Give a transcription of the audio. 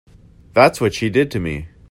That's what she did to me.